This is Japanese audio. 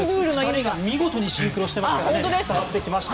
２人が見事にシンクロしてますから伝わってきました。